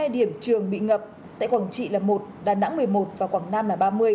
hai mươi điểm trường bị ngập tại quảng trị là một đà nẵng một mươi một và quảng nam là ba mươi